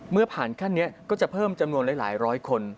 เมื่อผ่านขั้นนี้ก็จะเพิ่มจำนวนหลายร้อยคน